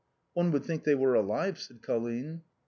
" One would think they were alive," said Colline.